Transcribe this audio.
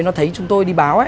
nó thấy chúng tôi đi báo